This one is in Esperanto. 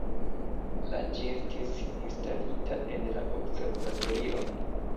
La ĝi estis instalita en la observatorion.